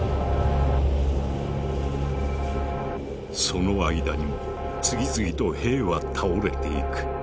その間にも次々と兵は倒れていく。